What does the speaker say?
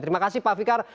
terima kasih pak fikar